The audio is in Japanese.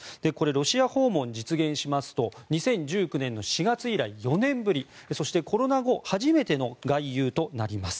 ロシア訪問が実現しますと２０１９年の４月以来４年ぶり、そしてコロナ後初めての外遊となります。